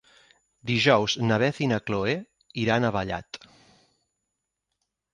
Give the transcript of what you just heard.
Dijous na Beth i na Chloé iran a Vallat.